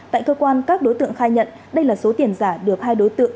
tại cơ quan các đối tượng khai nhận đây là số tiền giả được hai đối tượng